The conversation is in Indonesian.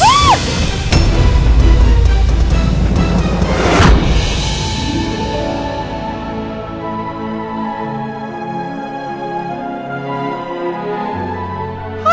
alhamdulillah aku bisa mas al